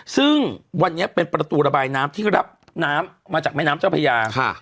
ซึ่งวันนี้เป็นประตูระบายน้ำที่รับน้ำมาจากแม่น้ำเจ้าพญา